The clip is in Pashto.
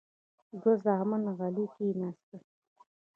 دوه زامن غلي کېناستل.